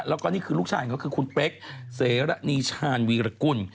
แล้วก็นี่คือลูกชายของเขาคือคุณเป๊กเสรณีชาญวีรกุล